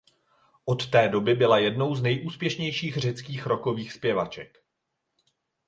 Od té doby byla jednou z nejúspěšnějších řeckých rockových zpěvaček.